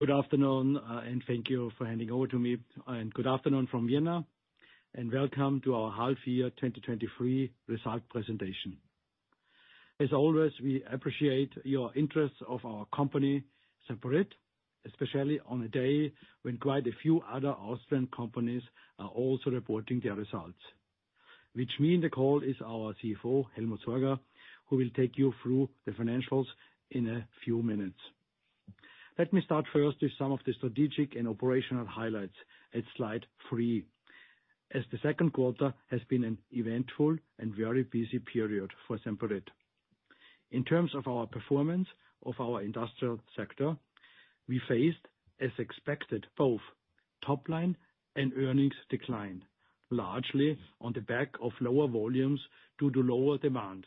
Good afternoon, and thank you for handing over to me. Good afternoon from Vienna, and welcome to our half year 2023 result presentation. As always, we appreciate your interest of our company, Semperit, especially on a day when quite a few other Austrian companies are also reporting their results. Which mean the call is our CFO, Helmut Sorger, who will take you through the financials in a few minutes. Let me start first with some of the strategic and operational highlights at slide three, as the second quarter has been an eventful and very busy period for Semperit. In terms of our performance of our industrial sector, we faced, as expected, both top line and earnings decline, largely on the back of lower volumes due to lower demand,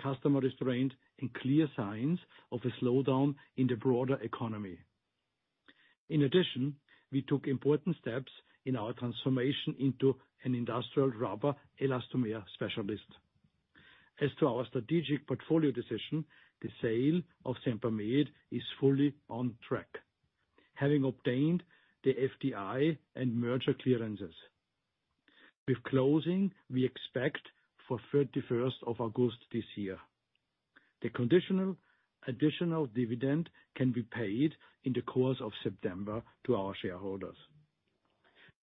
customer restraint, and clear signs of a slowdown in the broader economy. In addition, we took important steps in our transformation into an industrial rubber elastomer specialist. As to our strategic portfolio decision, the sale of Sempermed is fully on track, having obtained the FDI and merger clearances. With closing, we expect for 31st of August this year. The conditional additional dividend can be paid in the course of September to our shareholders.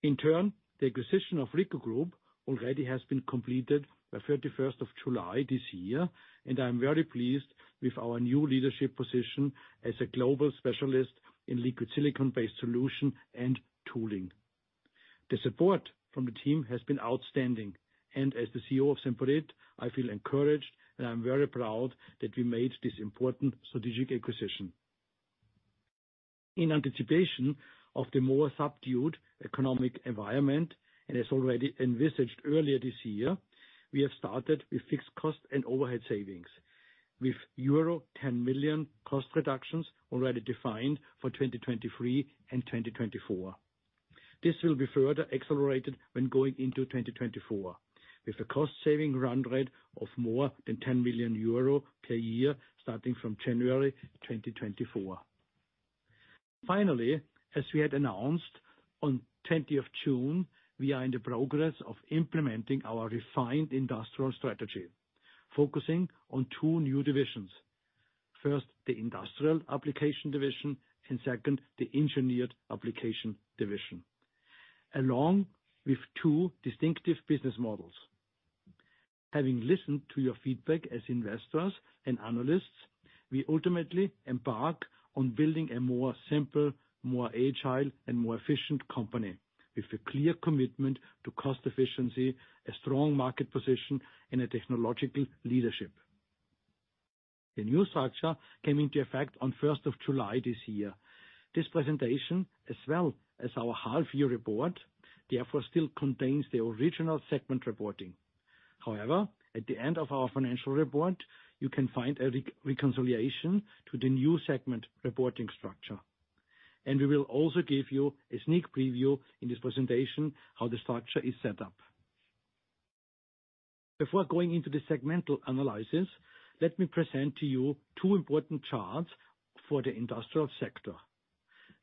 In turn, the acquisition of Rico Group already has been completed by 31st of July this year, and I'm very pleased with our new leadership position as a global specialist in liquid silicone-based solution and tooling. The support from the team has been outstanding, and as the CEO of Semperit, I feel encouraged, and I'm very proud that we made this important strategic acquisition. In anticipation of the more subdued economic environment, as already envisaged earlier this year, we have started with fixed cost and overhead savings, with euro 10 million cost reductions already defined for 2023 and 2024. This will be further accelerated when going into 2024, with a cost-saving run rate of more than 10 million euro per year, starting from January 2024. Finally, as we had announced on 10th of June, we are in the progress of implementing our refined industrial strategy, focusing on two new divisions. First, the Industrial Application Division, and second, the Engineered Application Division, along with two distinctive business models. Having listened to your feedback as investors and analysts, we ultimately embark on building a more simple, more agile, and more efficient company, with a clear commitment to cost efficiency, a strong market position, and a technological leadership. The new structure came into effect on first of July this year. This presentation, as well as our half year report, therefore, still contains the original segment reporting. However, at the end of our financial report, you can find a reconciliation to the new segment reporting structure. We will also give you a sneak preview in this presentation, how the structure is set up. Before going into the segmental analysis, let me present to you two important charts for the industrial sector,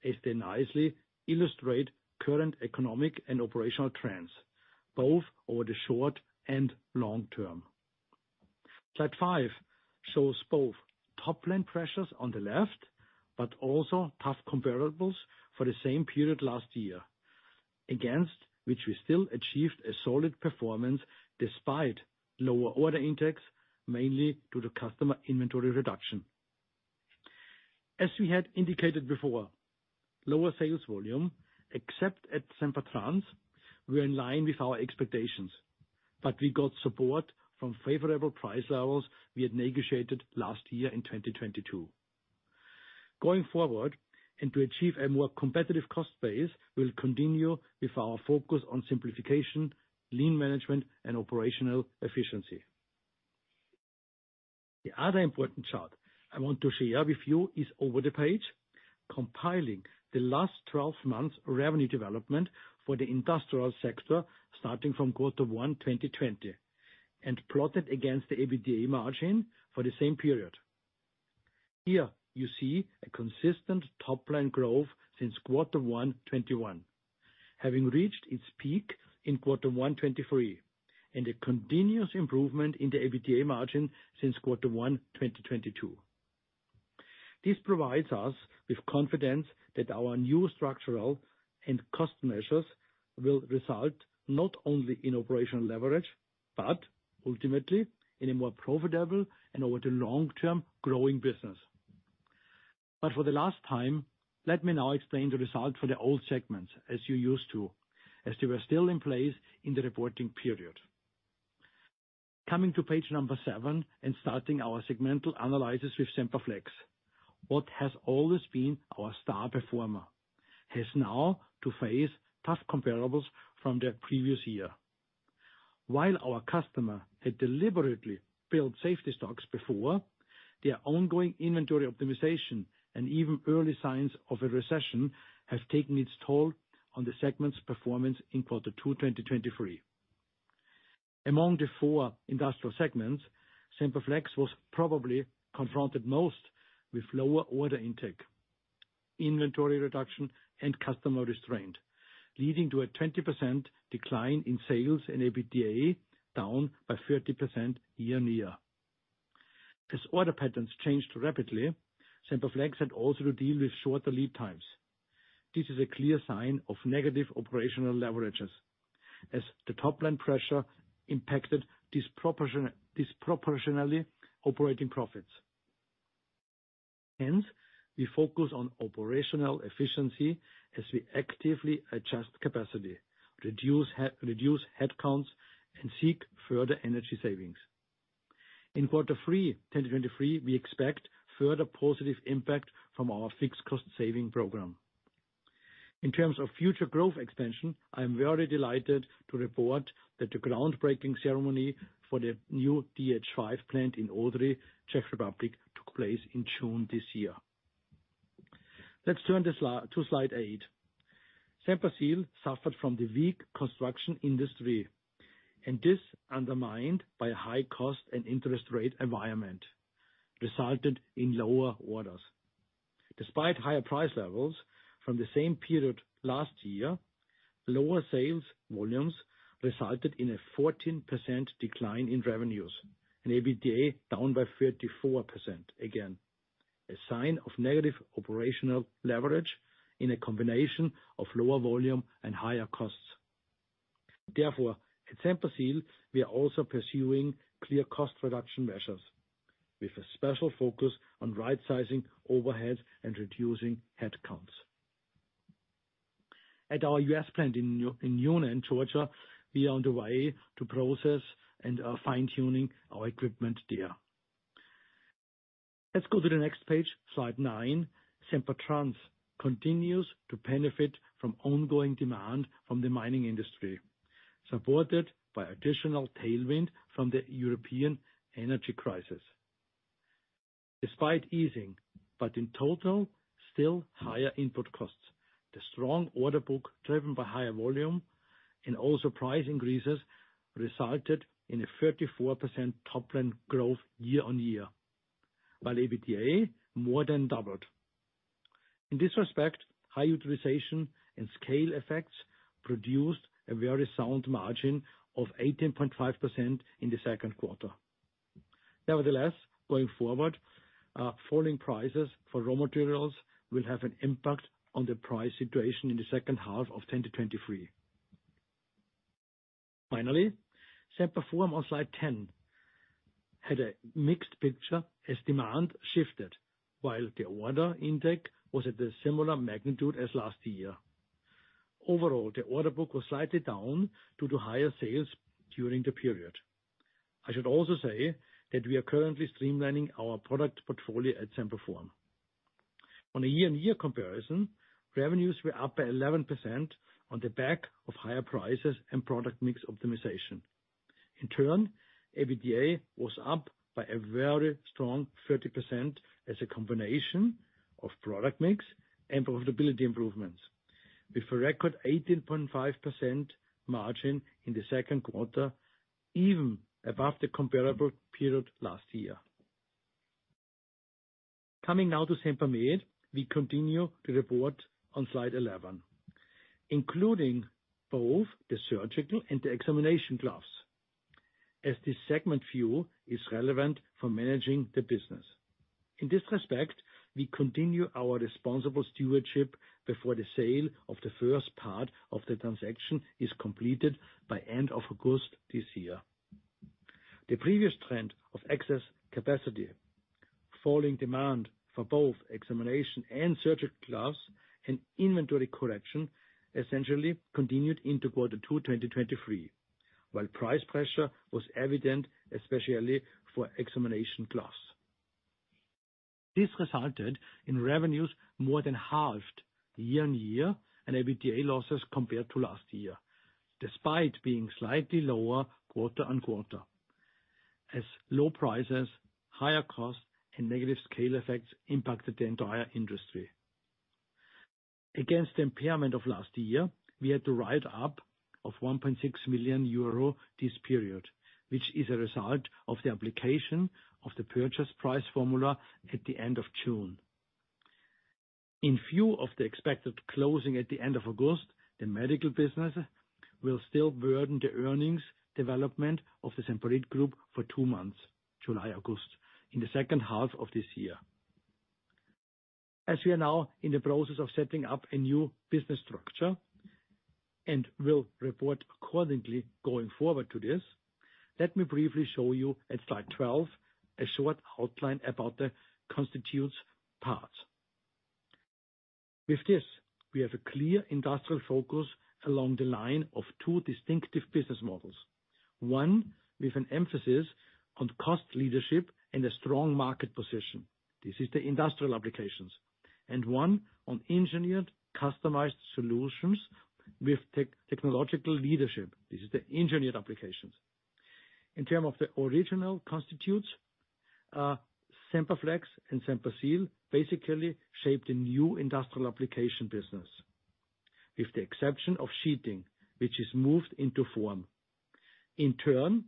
as they nicely illustrate current economic and operational trends, both over the short and long term. Slide five shows both top-line pressures on the left, but also tough comparables for the same period last year, against which we still achieved a solid performance, despite lower order intakes, mainly due to customer inventory reduction. As we had indicated before, lower sales volume, except at Sempertrans, were in line with our expectations, but we got support from favorable price levels we had negotiated last year in 2022. Going forward, and to achieve a more competitive cost base, we'll continue with our focus on simplification, lean management, and operational efficiency. The other important chart I want to share with you is over the page, compiling the last 12 months revenue development for the industrial sector, starting from Q1 2020, and plotted against the EBITDA margin for the same period. Here you see a consistent top-line growth since Q1 2021, having reached its peak in Q1 2023, and a continuous improvement in the EBITDA margin since Q1 2022. This provides us with confidence that our new structural and cost measures will result not only in operational leverage, but ultimately in a more profitable and over the long term, growing business. For the last time, let me now explain the result for the old segments, as you used to, as they were still in place in the reporting period. Coming to page number seven and starting our segmental analysis with Semperflex, what has always been our star performer, has now to face tough comparables from the previous year. While our customer had deliberately built safety stocks before, their ongoing inventory optimization and even early signs of a recession have taken its toll on the segment's performance in quarter two, 2023. Among the four industrial segments, Semperflex was probably confronted most with lower order intake, inventory reduction, and customer restraint, leading to a 20% decline in sales and EBITDA, down by 30% year-on-year. As order patterns changed rapidly, Semperflex had also to deal with shorter lead times. This is a clear sign of negative operational leverages, as the top-line pressure impacted disproportionately operating profits. Hence, we focus on operational efficiency as we actively adjust capacity, reduce headcounts, and seek further energy savings. In Q3 2023, we expect further positive impact from our fixed cost saving program. In terms of future growth expansion, I am very delighted to report that the groundbreaking ceremony for the new DH5 plant in Odry, Czech Republic, took place in June this year. Let's turn to slide eight. Semperseal suffered from the weak construction industry, this, undermined by high cost and interest rate environment, resulted in lower orders. Despite higher price levels from the same period last year, lower sales volumes resulted in a 14% decline in revenues, and EBITDA down by 34%. Again, a sign of negative operational leverage in a combination of lower volume and higher costs. Therefore, at Semperseal, we are also pursuing clear cost reduction measures with a special focus on right-sizing overheads and reducing headcounts. At our U.S. plant in Newnan, Georgia, we are on the way to process and are fine-tuning our equipment there. Let's go to the next page, slide nine. Sempertrans continues to benefit from ongoing demand from the mining industry, supported by additional tailwind from the European energy crisis. Despite easing, in total, still higher input costs, the strong order book, driven by higher volume and also price increases, resulted in a 34% top-line growth year-on-year, while EBITDA more than doubled. In this respect, high utilization and scale effects produced a very sound margin of 18.5% in the second quarter. Nevertheless, going forward, falling prices for raw materials will have an impact on the price situation in the second half of 2023. Finally, Semperform on slide 10 had a mixed picture as demand shifted, while the order intake was at a similar magnitude as last year. Overall, the order book was slightly down due to higher sales during the period. I should also say that we are currently streamlining our product portfolio at Semperform. On a year-on-year comparison, revenues were up by 11% on the back of higher prices and product mix optimization. In turn, EBITDA was up by a very strong 30% as a combination of product mix and profitability improvements, with a record 18.5% margin in the second quarter, even above the comparable period last year. Coming now to Sempermed, we continue to report on slide 11, including both the surgical and the examination gloves, as this segment view is relevant for managing the business. In this respect, we continue our responsible stewardship before the sale of the first part of the transaction is completed by end of August this year. The previous trend of excess capacity, falling demand for both examination and surgical gloves, and inventory correction, essentially continued into quarter 2, 2023, while price pressure was evident, especially for examination gloves. This resulted in revenues more than halved year-over-year and EBITDA losses compared to last year, despite being slightly lower quarter-over-quarter, as low prices, higher costs, and negative scale effects impacted the entire industry. Against the impairment of last year, we had to write up of 1.6 million euro this period, which is a result of the application of the purchase price formula at the end of June. In view of the expected closing at the end of August, the medical business will still burden the earnings development of the Semperit Group for two months, July, August, in the second half of this year. We are now in the process of setting up a new business structure and will report accordingly going forward to this, let me briefly show you at slide 12, a short outline about the constitutes parts. With this, we have a clear industrial focus along the line of two distinctive business models. One, with an emphasis on cost leadership and a strong market position. This is the Industrial Applications. One on engineered, customized solutions with technological leadership. This is the Engineered Applications. In terms of the original constitutes, Semperflex and Semperseal basically shape the new Industrial Applications business with the exception of sheeting, which is moved into form. In turn,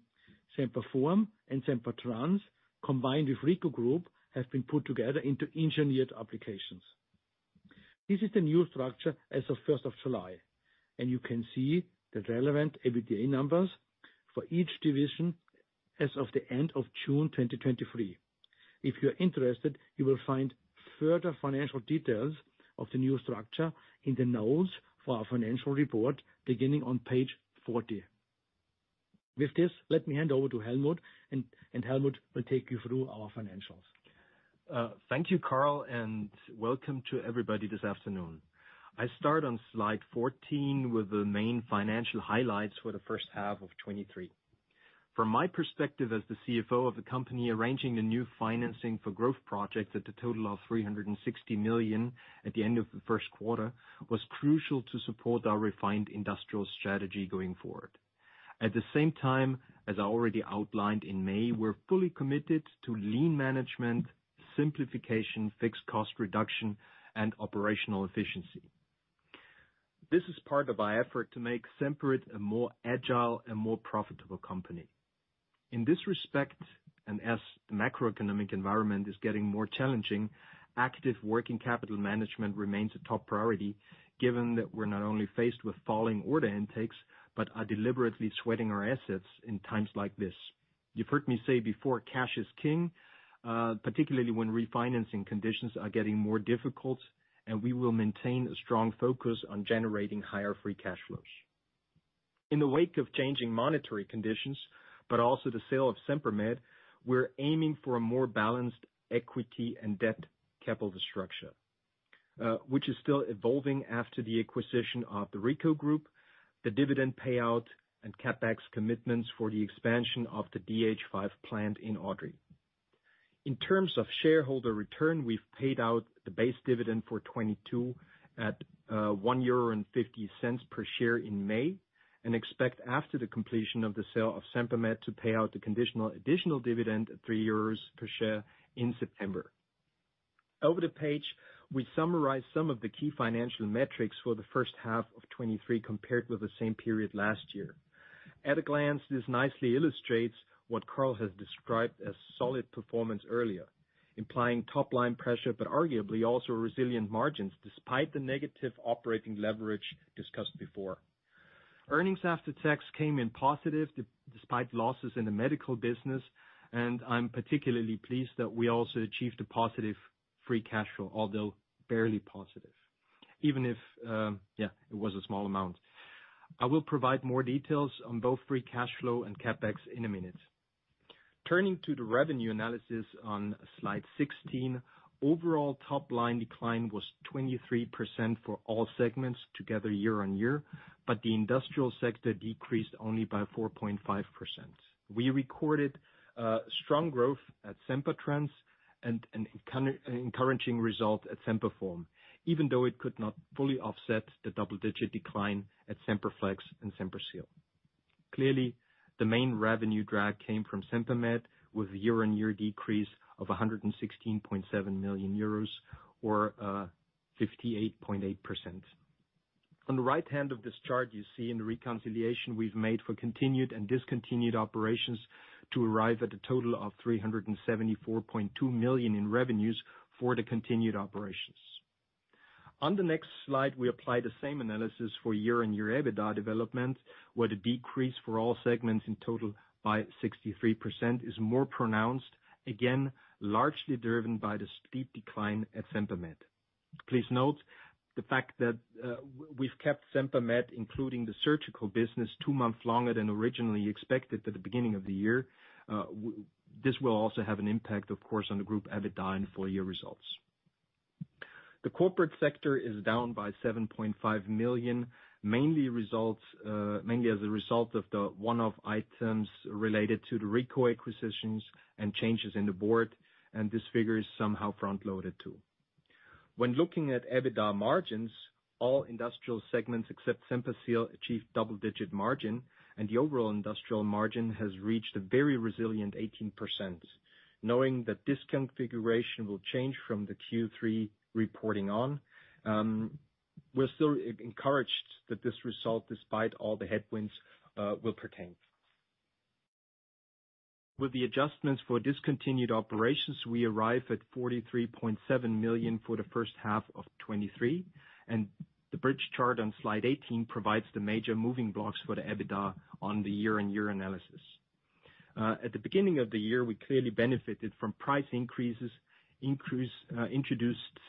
Semperform and Sempertrans, combined with Rico Group, have been put together into Engineered Applications. This is the new structure as of first of July, and you can see the relevant EBITDA numbers for each division as of the end of June 2023. If you're interested, you will find further financial details of the new structure in the notes for our financial report, beginning on page 40. With this, let me hand over to Helmut, and Helmut will take you through our financials. Thank you, Karl, and welcome to everybody this afternoon. I start on slide 14 with the main financial highlights for the first half of 2023. From my perspective as the CFO of the company, arranging the new financing for growth projects at a total of 360 million at the end of the first quarter was crucial to support our refined industrial strategy going forward. At the same time, as I already outlined in May, we're fully committed to lean management, simplification, fixed cost reduction, and operational efficiency. This is part of our effort to make Semperit a more agile and more profitable company. In this respect, and as the macroeconomic environment is getting more challenging, active working capital management remains a top priority, given that we're not only faced with falling order intakes, but are deliberately sweating our assets in times like this. You've heard me say before, cash is king, particularly when refinancing conditions are getting more difficult, we will maintain a strong focus on generating higher free cash flows. In the wake of changing monetary conditions, also the sale of Sempermed, we're aiming for a more balanced equity and debt capital structure, which is still evolving after the acquisition of the Rico Group, the dividend payout, and CapEx commitments for the expansion of the DH5 plant in Odry. In terms of shareholder return, we've paid out the base dividend for 2022 at 1.50 euro per share in May, expect after the completion of the sale of Sempermed to pay out the conditional additional dividend of 3 euros per share in September. Over the page, we summarize some of the key financial metrics for the first half of 2023, compared with the same period last year. At a glance, this nicely illustrates what Karl has described as solid performance earlier, implying top line pressure, but arguably also resilient margins, despite the negative operating leverage discussed before. Earnings after tax came in positive, despite losses in the medical business, and I'm particularly pleased that we also achieved a positive free cash flow, although barely positive, even if, yeah, it was a small amount. I will provide more details on both free cash flow and CapEx in a minute. Turning to the revenue analysis on slide 16, overall top line decline was 23% for all segments together year on year, but the industrial sector decreased only by 4.5%. We recorded strong growth at Sempertrans and an encouraging result at Semperform, even though it could not fully offset the double-digit decline at Semperflex and Semperseal. Clearly, the main revenue drag came from Sempermed, with a year-on-year decrease of 116.7 million euros, or 58.8%. On the right hand of this chart, you see in the reconciliation we've made for continued and discontinued operations to arrive at a total of 374.2 million in revenues for the continued operations. On the next slide, we apply the same analysis for year and year EBITDA development, where the decrease for all segments in total by 63% is more pronounced, again, largely driven by the steep decline at Sempermed. Please note the fact that we've kept Sempermed, including the surgical business, two months longer than originally expected at the beginning of the year. This will also have an impact, of course, on the group EBITDA and full year results. The corporate sector is down by 7.5 million, mainly results, mainly as a result of the one-off items related to the Rico acquisitions and changes in the board. This figure is somehow front-loaded, too. When looking at EBITDA margins, all industrial segments, except Semperseal, achieved double-digit margin, and the overall industrial margin has reached a very resilient 18%. Knowing that this configuration will change from the Q3 reporting on, we're still encouraged that this result, despite all the headwinds, will pertain. With the adjustments for discontinued operations, we arrive at 43.7 million for the first half of 2023, the bridge chart on slide 18 provides the major moving blocks for the EBITDA on the year-on-year analysis. At the beginning of the year, we clearly benefited from price increases introduced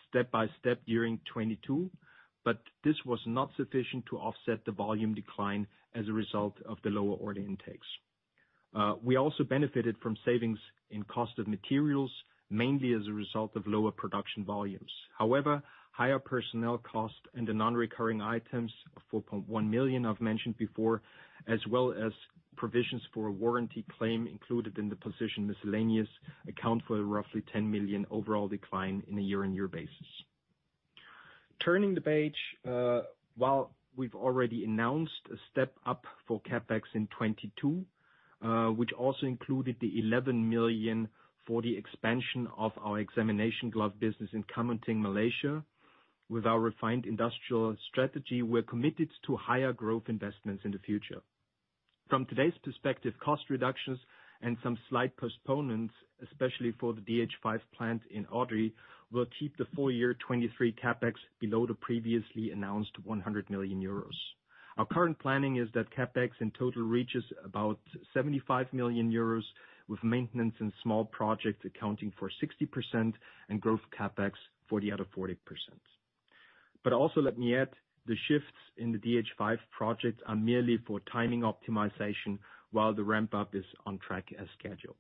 step by step during 2022, this was not sufficient to offset the volume decline as a result of the lower order intakes. We also benefited from savings in cost of materials, mainly as a result of lower production volumes. However, higher personnel costs and the non-recurring items of 4.1 million I've mentioned before, as well as provisions for a warranty claim included in the position miscellaneous, account for a roughly 10 million overall decline in a year-on-year basis. Turning the page, while we've already announced a step up for CapEx in 2022, which also included the 11 million for the expansion of our examination glove business in Kamunting, Malaysia. With our refined industrial strategy, we're committed to higher growth investments in the future. From today's perspective, cost reductions and some slight postponements, especially for the DH5 plant in Odry, will keep the full year 2023 CapEx below the previously announced 100 million euros. Our current planning is that CapEx in total reaches about 75 million euros, with maintenance and small projects accounting for 60% and growth CapEx for the other 40%. Also, let me add, the shifts in the DH5 project are merely for timing optimization, while the ramp-up is on track as scheduled.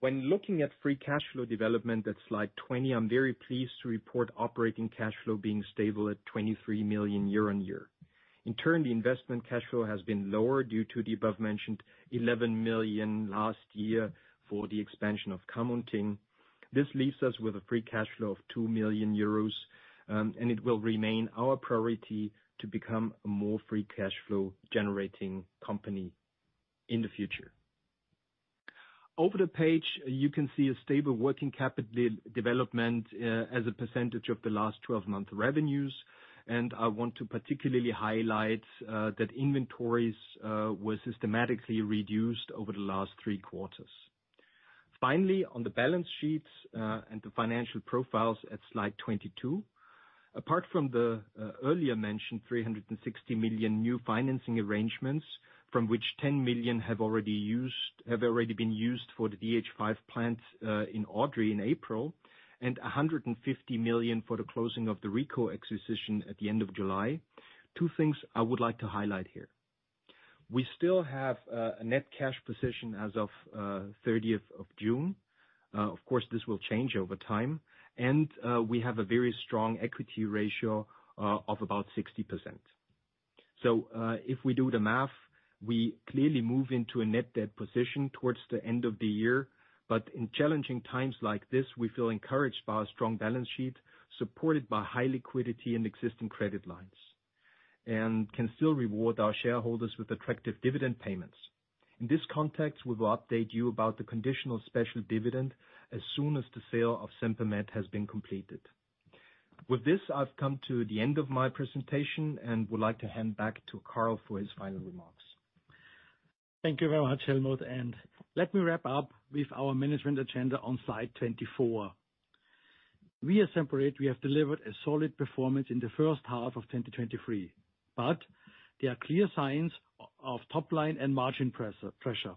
When looking at free cash flow development at slide 20, I'm very pleased to report operating cash flow being stable at 23 million year-on-year. The investment cash flow has been lower due to the above mentioned 11 million last year for the expansion of Kamunting. This leaves us with a free cash flow of 2 million euros, and it will remain our priority to become a more free cash flow generating company in the future. Over the page, you can see a stable working capital development as a percentage of the last 12-month revenues, and I want to particularly highlight that inventories were systematically reduced over the last three quarters. Finally, on the balance sheets, and the financial profiles at slide 22, apart from the earlier mentioned 360 million new financing arrangements, from which 10 million have already been used for the DH5 plant in Odry in April, and 150 million for the closing of the Rico acquisition at the end of July. Two things I would like to highlight here: We still have a net cash position as of 30th of June. Of course, this will change over time, and we have a very strong equity ratio of about 60%. If we do the math, we clearly move into a net debt position towards the end of the year. In challenging times like this, we feel encouraged by our strong balance sheet, supported by high liquidity and existing credit lines, and can still reward our shareholders with attractive dividend payments. In this context, we will update you about the conditional special dividend as soon as the sale of Sempermed has been completed. With this, I've come to the end of my presentation and would like to hand back to Karl for his final remarks. Thank you very much, Helmut, and let me wrap up with our management agenda on slide 24. We at Semperit, we have delivered a solid performance in the first half of 2023, but there are clear signs of top line and margin pressure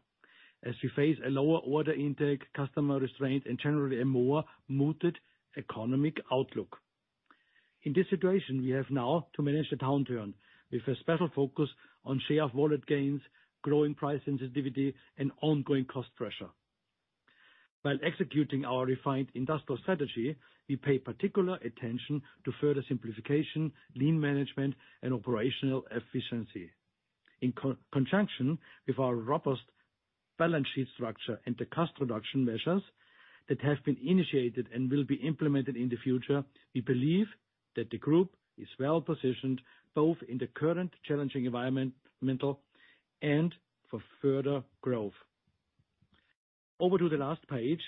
as we face a lower order intake, customer restraint, and generally a more muted economic outlook. In this situation, we have now to manage a downturn with a special focus on share of wallet gains, growing price sensitivity, and ongoing cost pressure. While executing our refined industrial strategy, we pay particular attention to further simplification, lean management, and operational efficiency. In conjunction with our robust balance sheet structure and the cost reduction measures that have been initiated and will be implemented in the future, we believe that the group is well positioned, both in the current challenging environment and for further growth. Over to the last page,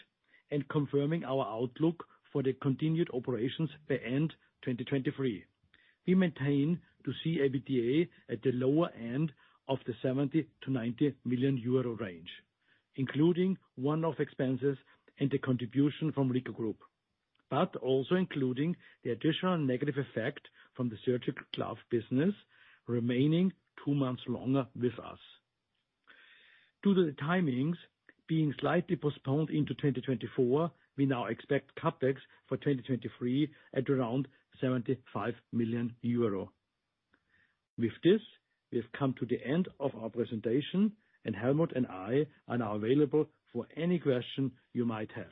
confirming our outlook for the continued operations by end 2023. We maintain to see EBITDA at the lower end of the 70 million-90 million euro range, including one-off expenses and the contribution from Rico Group, also including the additional negative effect from the surgical glove business remaining two months longer with us. Due to the timings being slightly postponed into 2024, we now expect CapEx for 2023 at around 75 million euro. With this, we have come to the end of our presentation, Helmut and I are now available for any question you might have.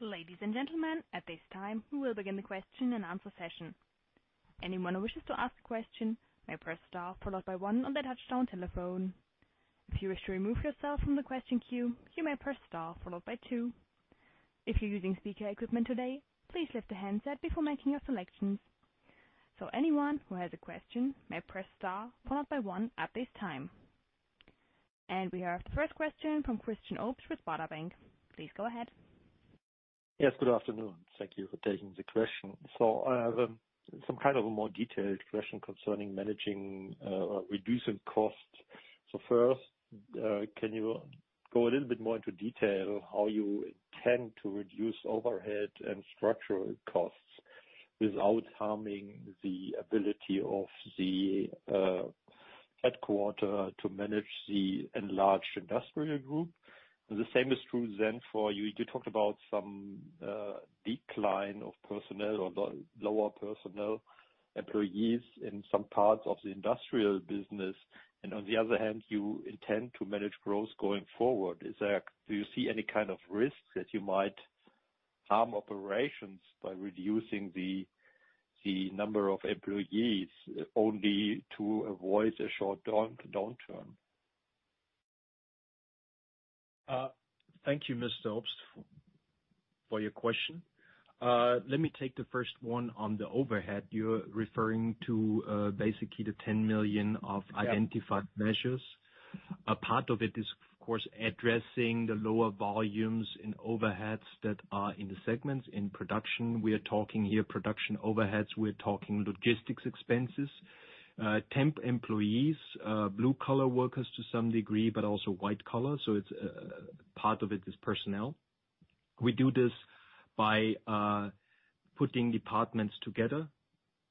Ladies and gentlemen, at this time, we will begin the question and answer session. Anyone who wishes to ask a question may press star followed by one on their touchdown telephone. If you wish to remove yourself from the question queue, you may press star followed by two. If you're using speaker equipment today, please lift the handset before making your selections. Anyone who has a question may press star followed by one at this time. We have the first question from Christian Obst with Baader Bank. Please go ahead. Yes, good afternoon. Thank you for taking the question. Some kind of a more detailed question concerning managing or reducing costs. First, can you go a little bit more into detail how you intend to reduce overhead and structural costs without harming the ability of the headquarter to manage the enlarged industrial group? The same is true then for you, you talked about some decline of personnel or lower personnel, employees in some parts of the industrial business, and on the other hand, you intend to manage growth going forward. Is there, do you see any kind of risks that you might harm operations by reducing the number of employees only to avoid a short downturn? Thank you, Mr. Obst, for your question. Let me take the first one on the overhead. You're referring to, basically the 10 million of identified measures. A part of it is, of course, addressing the lower volumes in overheads that are in the segments. In production, we are talking here production overheads, we're talking logistics expenses, temp employees, blue-collar workers to some degree, but also white collar, so it's part of it is personnel. We do this by putting departments together,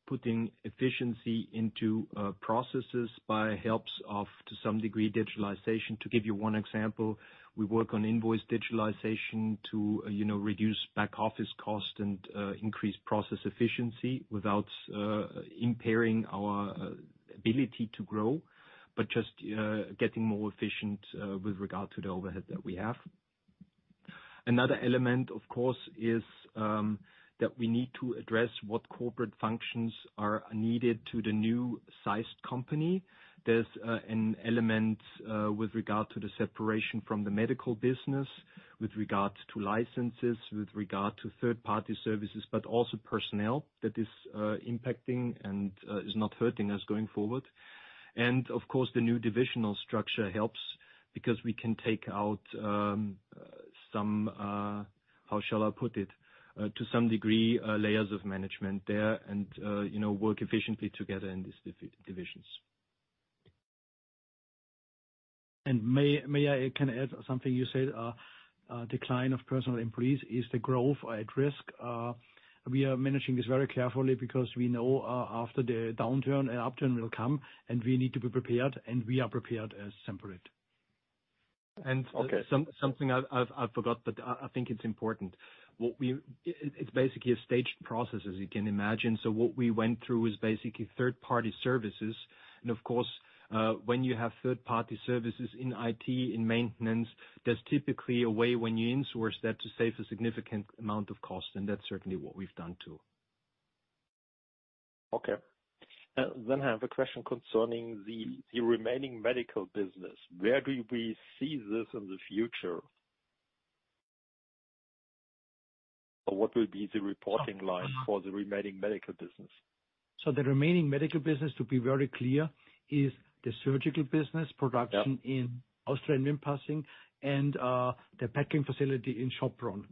putting efficiency into processes by helps of, to some degree, digitalization. To give you one example, we work on invoice digitalization to, you know, reduce back office cost and increase process efficiency without impairing our ability to grow, but just getting more efficient with regard to the overhead that we have. Another element, of course, is that we need to address what corporate functions are needed to the new sized company. There's an element with regard to the separation from the medical business, with regard to licenses, with regard to third-party services, but also personnel that is impacting and is not hurting us going forward. And of course, the new divisional structure helps because we can take out some... How shall I put it? To some degree, layers of management there and, you know, work efficiently together in these divisions. May, may I, kind of, add something? You said, decline of personal employees, is the growth at risk? We are managing this very carefully because we know, after the downturn, an upturn will come, and we need to be prepared, and we are prepared at Semperit. And- Okay. Something I forgot, but I think it's important. It's basically a staged process, as you can imagine. What we went through is basically third-party services, and of course, when you have third-party services in IT, in maintenance, there's typically a way when you insource that to save a significant amount of cost, and that's certainly what we've done, too. Okay. I have a question concerning the remaining medical business. Where do we see this in the future? What will be the reporting line for the remaining medical business? The remaining medical business, to be very clear, is the surgical business production. Yep. in Austria, Wimpassing, and, the packing facility in Sopron.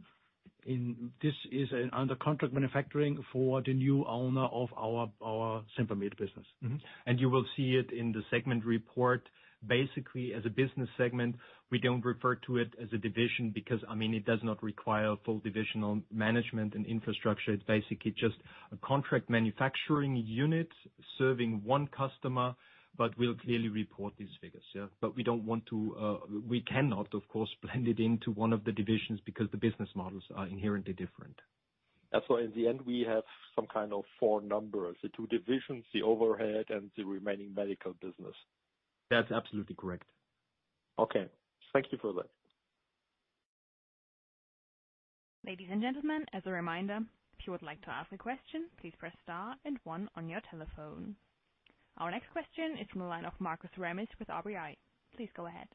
This is an under contract manufacturing for the new owner of our, our Sempermed business. Mm-hmm. You will see it in the segment report, basically as a business segment. We don't refer to it as a division because, I mean, it does not require full divisional management and infrastructure. It's basically just a contract manufacturing unit serving one customer, but we'll clearly report these figures, yeah. We don't want to, we cannot, of course, blend it into one of the divisions, because the business models are inherently different. In the end, we have some kind of four numbers: the two divisions, the overhead, and the remaining medical business. That's absolutely correct. Okay, thank you for that. Ladies and gentlemen, as a reminder, if you would like to ask a question, please press star and one on your telephone. Our next question is from the line of Markus Hämmerle with RBI. Please go ahead.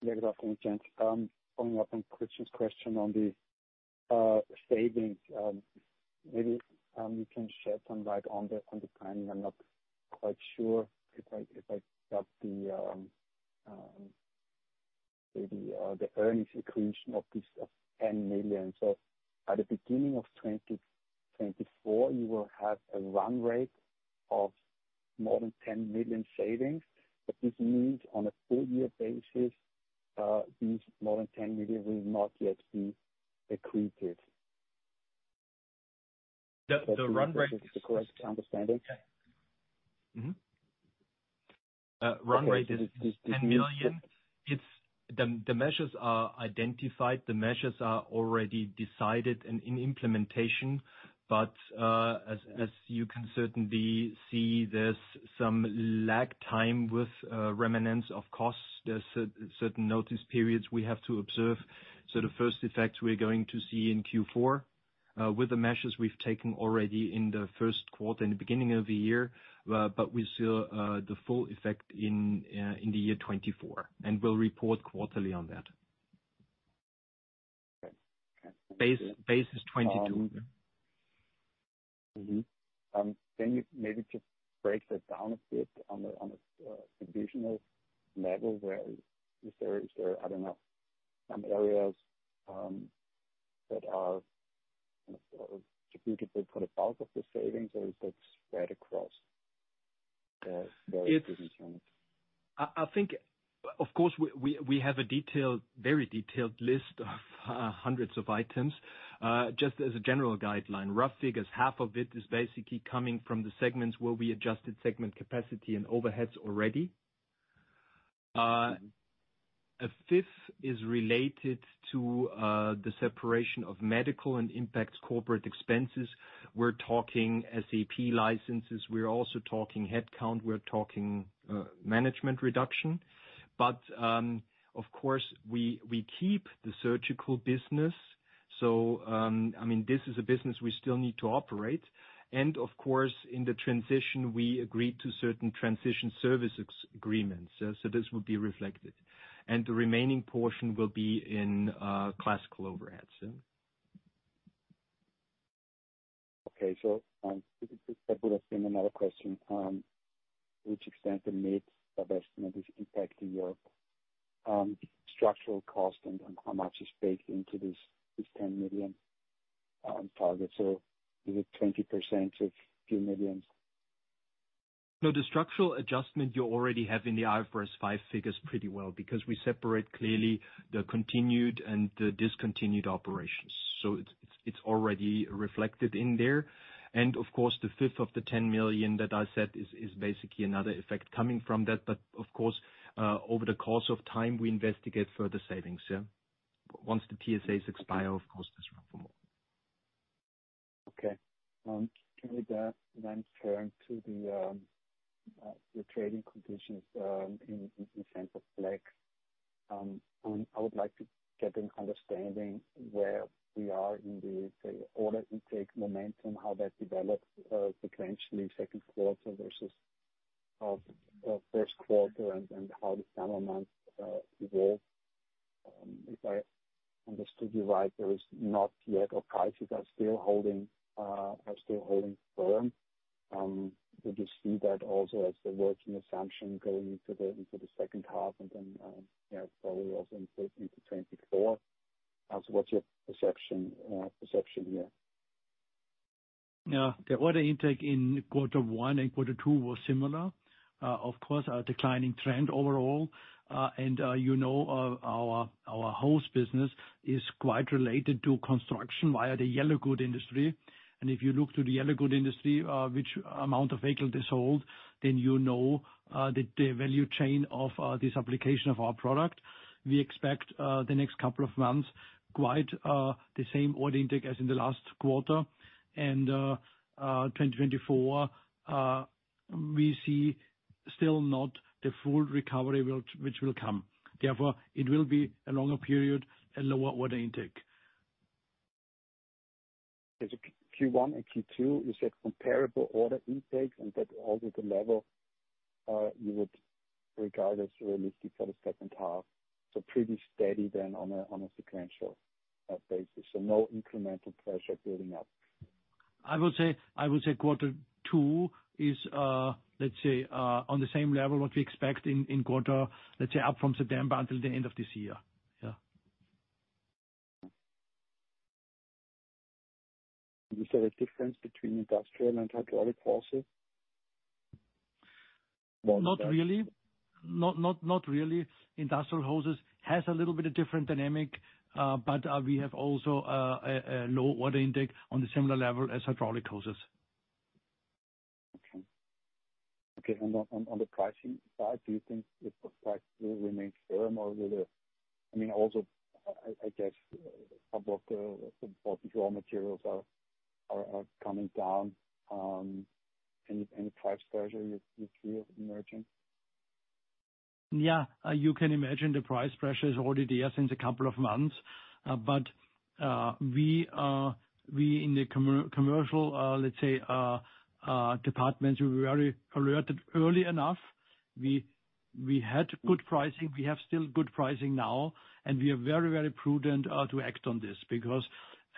Yeah, good afternoon, gents. Following up on Christian Obst's question on the savings, maybe you can shed some light on the timing. I'm not quite sure if I, if I got the the earnings accretion of this 10 million. At the beginning of 2024, you will have a run rate of more than 10 million savings, but this means on a full year basis, these more than 10 million will not yet be accretive. The run rate- Is this the correct understanding? Mm-hmm. run rate is- Okay. 10 million. The measures are identified, the measures are already decided and in implementation. As you can certainly see, there's some lag time with remnants of costs. There's certain notice periods we have to observe. The first effect we're going to see in Q4 with the measures we've taken already in the first quarter, in the beginning of the year, we see the full effect in the year 2024, and we'll report quarterly on that. Okay. Base, base is 22. Mm-hmm. Can you maybe just break that down a bit on a, on a, divisional level, where, is there, is there, I don't know, some areas, that are, kind of, attributed for the bulk of the savings, or is that spread across, various business units? It's... I, I think, of course, we, we, we have a detailed, very detailed list of hundreds of items. Just as a general guideline, rough figures, half of it is basically coming from the segments where we adjusted segment capacity and overheads already. A fifth is related to the separation of medical and impacts corporate expenses. We're talking SAP licenses. We're also talking headcount. We're talking management reduction. Of course, we, we keep the surgical business. I mean, this is a business we still need to operate, and of course, in the transition, we agreed to certain transition service agreements, so, so this will be reflected. The remaining portion will be in classical overheads, yeah. Okay, this, this would have been another question, which extent the mix of estimate is impacting your structural cost, and, and how much is baked into this, this 10 million target? Is it 20% of few million? No, the structural adjustment you already have in the IFRS 5 figures pretty well, because we separate clearly the continued and the discontinued operations. It's, it's, it's already reflected in there. Of course, the fifth of the 10 million that I said is, is basically another effect coming from that. Of course, over the course of time, we investigate further savings, yeah. Once the TSAs expire, of course, that's run for more. Okay. With that, then turn to the trading conditions in Semperflex. I would like to get an understanding where we are in the order intake momentum, how that develops sequentially, second quarter versus first quarter, how the summer months evolve. If I understood you right, there is not yet, or prices are still holding, are still holding firm. Did you see that also as the working assumption going into the second half and then probably also into 2024? What's your perception, perception here? Yeah. The order intake in quarter one and quarter two was similar. Of course, a declining trend overall. You know, our, our hose business is quite related to construction via the yellow goods industry. If you look to the yellow goods industry, which amount of vehicle they sold, then you know, the, the value chain of this application of our product. We expect the next couple of months, quite, the same order intake as in the last quarter. 2024, we see still not the full recovery which will come. Therefore, it will be a longer period and lower order intake. Q1 and Q2, you said comparable order intakes and that over the level, you would regard as realistic for the second half, so pretty steady then on a, on a sequential, basis. No incremental pressure building up? I would say, I would say quarter two is, let's say, on the same level, what we expect in, in quarter, let's say, up from September until the end of this year. Yeah. You see a difference between industrial and hydraulic hoses? Not really. Not, not, not really. Industrial hoses has a little bit of different dynamic, but we have also a low order intake on the similar level as hydraulic hoses. Okay. Okay, on the, on, on the pricing side, do you think the price will remain firm, or will the... I mean, also, I, I guess, some of the, the raw materials are, are, are coming down, any, any price pressure you, you feel emerging? Yeah. You can imagine the price pressure is already there since a couple of months, but we in the commercial, let's say, departments, we were very alerted early enough. We, we had good pricing. We have still good pricing now, and we are very, very prudent to act on this.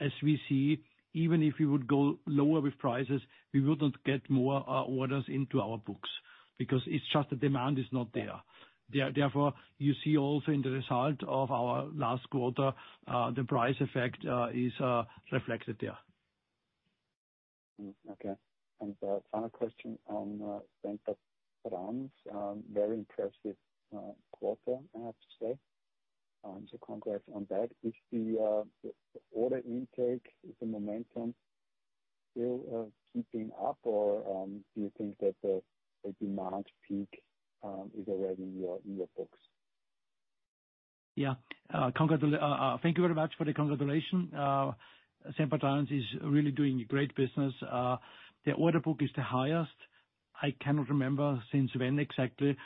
As we see, even if we would go lower with prices, we wouldn't get more orders into our books, because it's just the demand is not there. Therefore, you see also in the result of our last quarter, the price effect is reflected there. Okay. Final question on Sempertrans, very impressive quarter, I have to say. Congrats on that. Is the order intake, is the momentum still keeping up, or do you think that the demand peak is already in your books? Yeah. Thank you very much for the congratulations. Sempertrans is really doing great business. The order book is the highest I cannot remember since when exactly.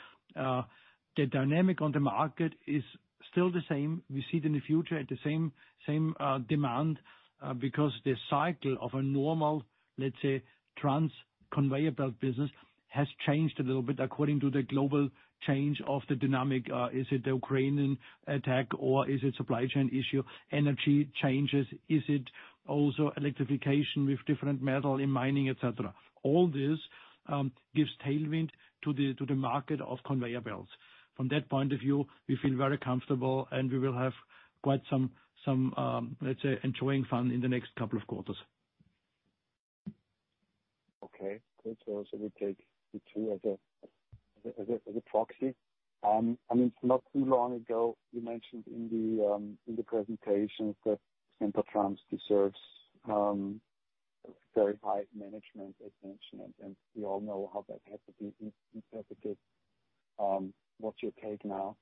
The dynamic on the market is still the same. We see it in the future at the same, same, demand, because the cycle of a normal, let's say, trans conveyor belt business has changed a little bit according to the global change of the dynamic. Is it the Ukrainian attack, or is it supply chain issue? Energy changes, is it also electrification with different metal in mining, et cetera? All this gives tailwind to the market of conveyor belts. From that point of view, we feel very comfortable, and we will have quite some, some, let's say, enjoying fun in the next couple of quarters. Okay. Good. We take the two as a, as a, as a proxy. I mean, not too long ago, you mentioned in the, in the presentation that Sempertrans deserves, very high management attention, and we all know how that had to be interpreted. What's your take now?...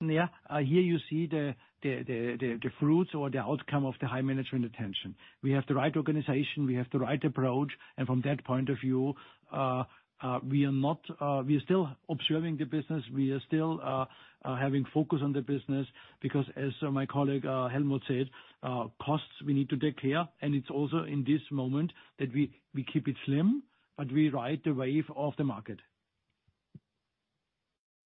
Yeah, here you see the, the, the, the, the fruits or the outcome of the high management attention. We have the right organization, we have the right approach, and from that point of view, we are not, we are still observing the business. We are still having focus on the business because as my colleague Helmut said, costs we need to take care, and it's also in this moment that we keep it slim, but we ride the wave of the market.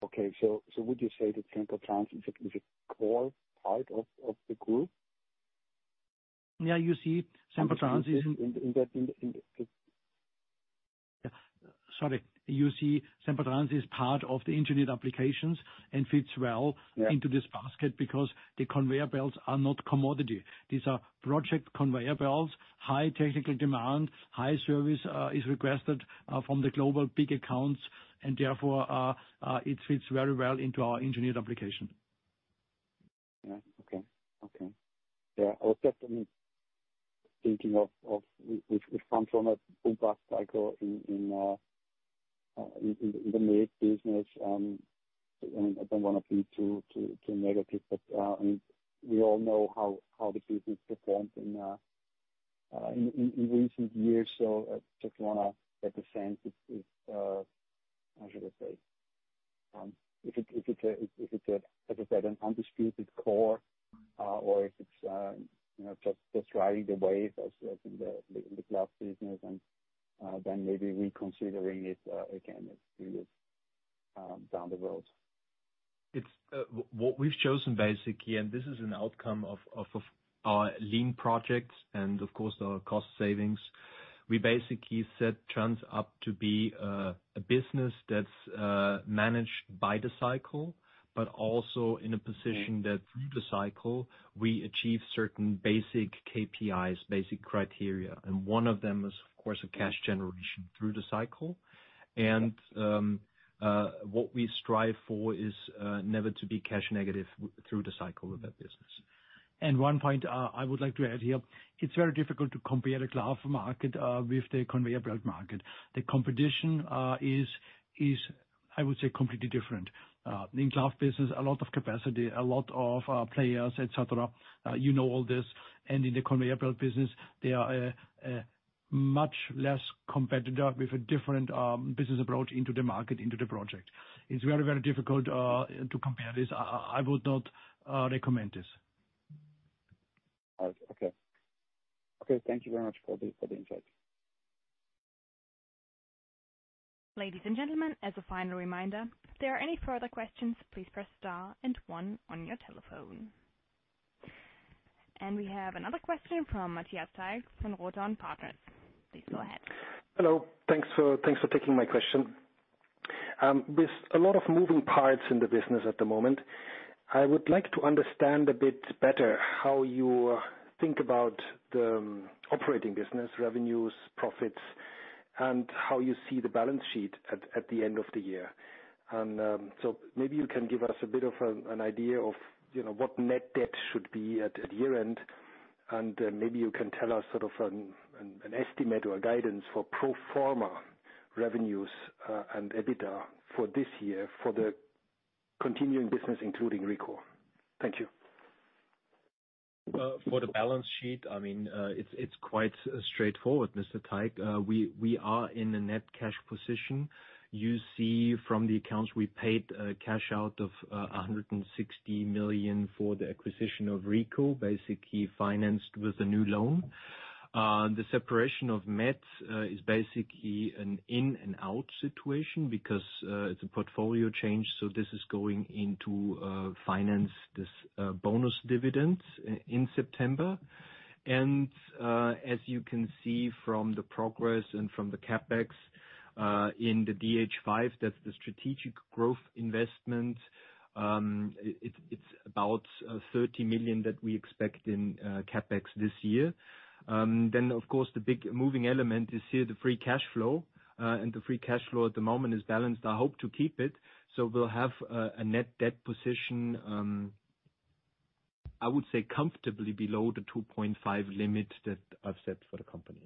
Okay. so would you say that Sempertrans is a core part of the group? You see Sempertrans is- In, in that, in, in, in- Sorry. You see, Sempertrans is part of the Engineered Applications and fits well- Yeah. into this basket because the conveyor belts are not commodity. These are project conveyor belts, high technical demand, high service, is requested from the global big accounts, and therefore, it fits very well into our engineered application. Yeah. Okay, okay. Yeah, I was just thinking of which comes from a full cycle in, in, in, in the medical business. I don't want to be too, too, too negative, but, and we all know how, how the business performed in, in, in recent years. So I just wanna get the sense if, if, how should I say, if it, if it's a, if it's a, like I said, an undisputed core, or if it's, you know, just, just riding the wave as, as in the, the glass business, and then maybe reconsidering it again, if it is down the road. It's what we've chosen basically, and this is an outcome of, of, of our lean projects and of course, our cost savings. We basically set Sempertrans up to be a business that's managed by the cycle, but also in a position- Mm. that through the cycle, we achieve certain basic KPIs, basic criteria, and one of them is, of course, a cash generation through the cycle. What we strive for is never to be cash negative through the cycle with that business. One point I would like to add here, it's very difficult to compare the glass market with the conveyor belt market. The competition is, I would say, completely different. In glass business, a lot of capacity, a lot of players, et cetera. You know all this. In the conveyor belt business, there are much less competitor with a different business approach into the market, into the project. It's very, very difficult to compare this. I, I would not recommend this. Okay. Okay, thank you very much for the, for the insight. Ladies and gentlemen, as a final reminder, if there are any further questions, please press star and one on your telephone. We have another question from Matthias Teich from Rodon Partners. Please go ahead. Hello. Thanks for, thanks for taking my question. With a lot of moving parts in the business at the moment, I would like to understand a bit better how you think about the operating business, revenues, profits, and how you see the balance sheet at the end of the year. So maybe you can give us a bit of an idea of, you know, what net debt should be at year-end. Maybe you can tell us sort of an estimate or guidance for pro forma revenues and EBITDA for this year, for the continuing business, including Rico. Thank you. For the balance sheet, it's quite straightforward, Mr. Teich. We are in a net cash position. You see from the accounts, we paid cash out of 160 million for the acquisition of Rico, basically financed with a new loan. The separation of MET is basically an in and out situation because it's a portfolio change, so this is going into finance this bonus dividends in September. As you can see from the progress and from the CapEx in the DH5, that's the strategic growth investment. It's about 30 million that we expect in CapEx this year. Then, of course, the big moving element is here, the free cash flow. The free cash flow at the moment is balanced. I hope to keep it, so we'll have a net debt position, I would say comfortably below the 2.5 limit that I've set for the company,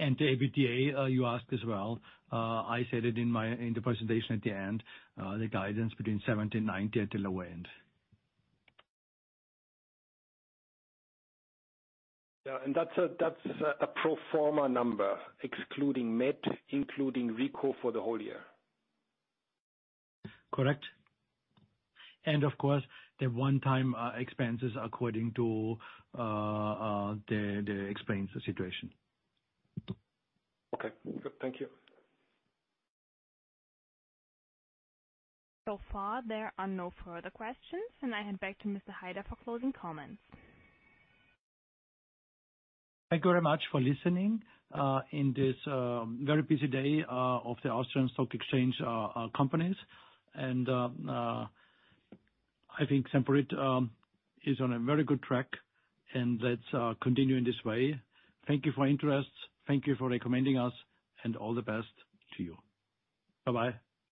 yeah. The EBITDA, you asked as well. I said it in the presentation at the end, the guidance between 70 and 90 at the low end. Yeah, that's a, that's a pro forma number, excluding MET, including Rico for the whole year? Correct. Of course, the one-time expenses according to the expense situation. Okay. Good, thank you. So far, there are no further questions, and I hand back to Karl Haider for closing comments. Thank you very much for listening, in this very busy day of the Wiener Börse AG companies. I think Semperit is on a very good track, and let's continue in this way. Thank you for your interest. Thank you for recommending us, and all the best to you. Bye-bye.